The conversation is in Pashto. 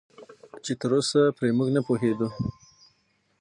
چې تراوسه پرې موږ نه پوهېدو